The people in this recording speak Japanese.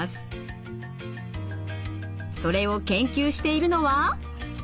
それを研究しているのは。